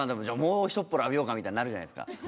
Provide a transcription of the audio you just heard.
じゃあもうひとっ風呂浴びようかみたいになるじゃないですか。